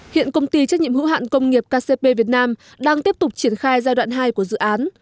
hiện công ty trách nhiệm hữu hạn công nghiệp kcp việt nam đang tiếp tục triển khai giai đoạn hai của dự án